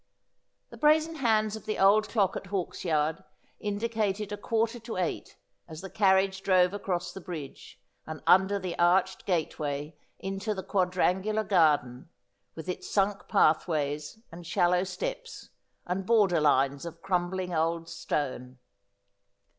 The brazen hands of the old clock at Hawksyard indicated a quarter to eight, as the carriage drove across the bridge, and under the arched gateway into the quadrangular garden, with its sunk pathways, and shallow steps, and border lines of crumb ling old stone.